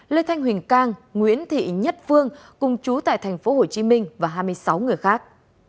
lê thanh huỳnh cang nguyễn thị nhất phương cùng trú tại thành phố hồ chí minh và hai mươi sáu người khác